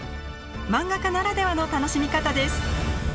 漫画家ならではの楽しみ方です！